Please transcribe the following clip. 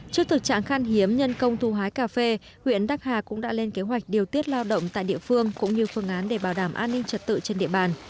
trước thực trạng khăn hiếm nhân công thu hái cà phê huyện đắc hà cũng đã lên kế hoạch điều tiết lao động tại địa phương cũng như phương án để bảo đảm an ninh trật tự trên địa bàn